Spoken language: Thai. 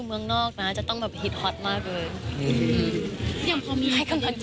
ขอขอบคุณมาก